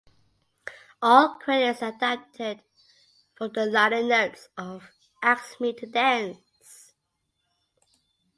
All credits are adapted from the liner notes of "Ask Me to Dance".